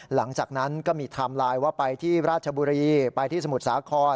หลังจากนั้นก็มีไทม์ไลน์ว่าไปที่ราชบุรีไปที่สมุทรสาคร